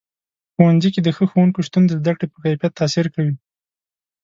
ښوونځي کې د ښه ښوونکو شتون د زده کړې په کیفیت تاثیر کوي.